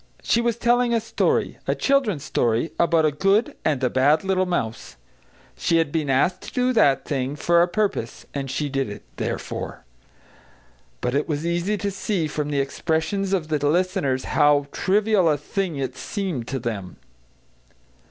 She was telling a story, a children's story, about a good and a bad little mouse. She had been asked to do that thing, for a purpose, and she did it, therefore. But it was easy to see from the expressions of the listeners how trivial a thing it seemed to them.